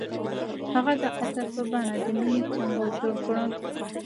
هغه د عطر په بڼه د مینې سمبول جوړ کړ.